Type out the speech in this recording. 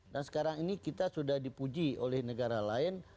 dan sekarang ini kita sudah dipuji oleh negara lain